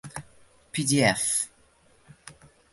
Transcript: pdf